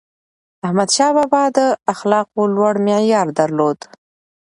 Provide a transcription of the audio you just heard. احمدشاه بابا د اخلاقو لوړ معیار درلود.